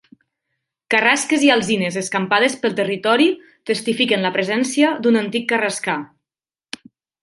Carrasques i alzines escampades pel territori testifiquen la presència d'un antic carrascar.